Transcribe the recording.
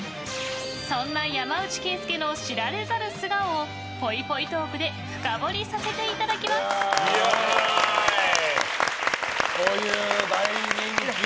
そんな山内惠介の知られざる素顔をぽいぽいトークで深掘りさせていただきます！という、大人気。